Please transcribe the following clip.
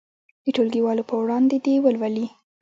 د ټولګیوالو په وړاندې دې ولولي.